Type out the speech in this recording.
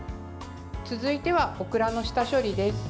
続いてはオクラの下処理です。